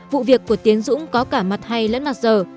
vụ việc của tiến dũng có cả mặt hay lẫn mặt giờ